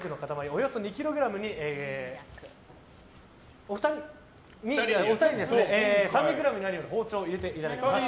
およそ２ｋｇにお二人に３００ｇになるように包丁を入れていただきます。